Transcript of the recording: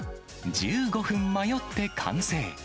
１５分迷って完成。